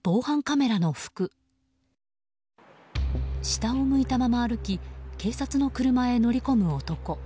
下を向いたまま歩き警察の車へ乗り込む男。